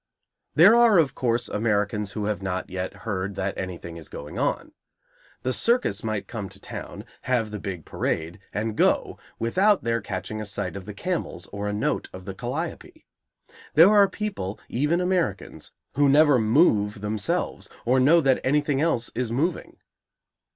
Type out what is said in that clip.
There are, of course, Americans who have not yet heard that anything is going on. The circus might come to town, have the big parade and go, without their catching a sight of the camels or a note of the calliope. There are people, even Americans, who never move themselves or know that anything else is moving.